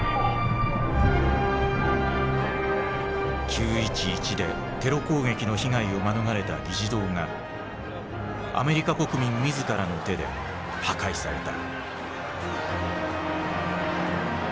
９．１１でテロ攻撃の被害を免れた議事堂がアメリカ国民自らの手で破壊された。